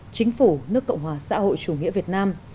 chính phủ nước cộng hòa xã hội chủ nghĩa việt nam